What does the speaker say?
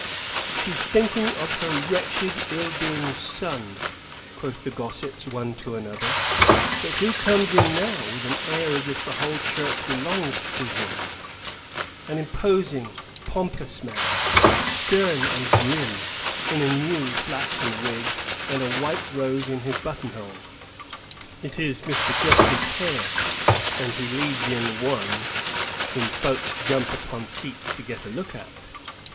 "She's thinking of her wretched, ill doing son," quoth the gossips, one to another. But who comes in now, with an air as if the whole church belonged to him? An imposing, pompous man, stern and grim, in a new flaxen wig, and a white rose in his buttonhole. It is Mr. Justice Hare, and he leads in one, whom folks jump upon seats to get a look at.